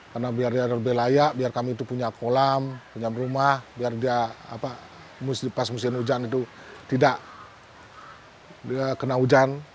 karena biar lebih layak biar kami itu punya kolam punya rumah biar dia pas musim hujan itu tidak kena hujan